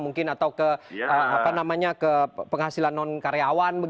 mungkin atau ke penghasilan non karyawan